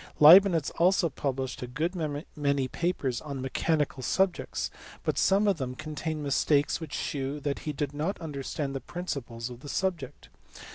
Leibnitz also published a good many papers on mechanical subjects ; but some of them contain mistakes which shew that he did not understand the principles of the subject.